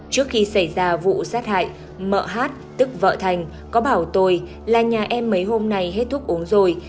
trước khi xảy ra vụ sát hại vợ hát tức vợ thành có bảo tồn là nhà em mấy hôm nay hết thuốc uống rồi